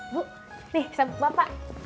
bu nih sabuk bapak